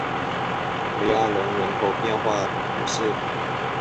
雷阿隆人口变化图示